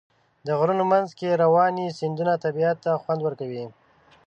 د غرونو منځ کې روانې سیندونه طبیعت ته خوند ورکوي.